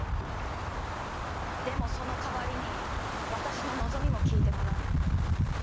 でもその代わりに私の望みも聞いてもらう。